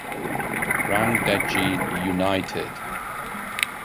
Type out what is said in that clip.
Rangdajied United